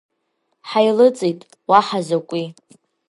Ҳаилыҵит, уаҳа закәи.